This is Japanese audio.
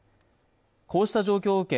こうした状況を受け